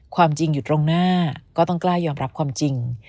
ความจริงอยู่ตรงหน้าก็ต้องกล้ายอมรับความจริง